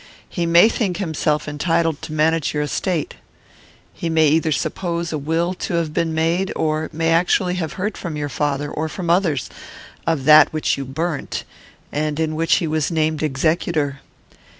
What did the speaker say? He may think himself entitled to manage your estate. He may either suppose a will to have been made, or may actually have heard from your father, or from others, of that which you burnt, and in which he was named executor.